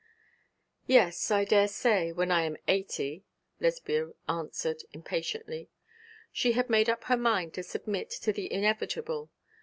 'Yes, I daresay, when I am eighty,' Lesbia answered, impatiently. She had made up her mind to submit to the inevitable.